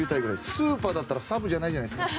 スーパーだったらサブじゃないじゃないですか。